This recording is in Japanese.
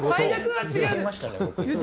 言いました。